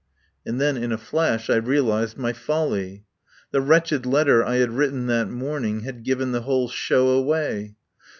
And then in a flash I realised my folly. The wretched letter I had written that morning had given the whole show away.